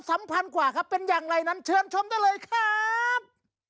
สำคัญกว่าครับเป็นอย่างไรนั้นเชิญชมได้เลยครับ